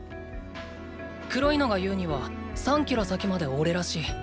黒いのが言うには３キロ先まで“おれ”らしい。